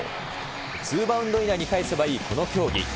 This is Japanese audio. ツーバウンド以内に返せばいいこの競技。